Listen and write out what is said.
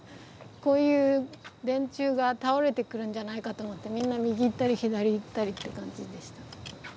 こういう電柱が倒れてくるんじゃないかと思ってみんな右行ったり左行ったりって感じでした。